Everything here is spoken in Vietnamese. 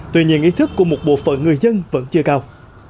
tuy nhiên ý thức của một bộ phận người dân vẫn chưa cao